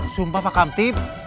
sumpah pak kamtib